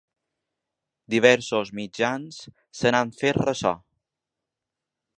Diversos mitjans se n’han fet ressò.